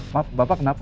maaf bapak kenapa